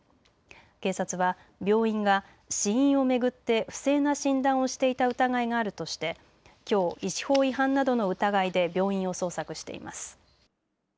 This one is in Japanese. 警察は病院が死因を巡って不正な診断をしていた疑いがあるとしてきょう医師法違反などの疑いで病院を捜索しています。